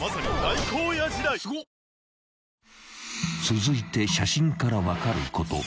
［続いて写真から分かること。